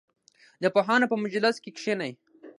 د پوهانو په مجلس کې کښېنئ.